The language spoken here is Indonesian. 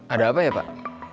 ada apa ya pak